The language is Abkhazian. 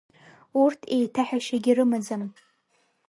Урҭ еиҭаҳәашьагьы рымаӡам…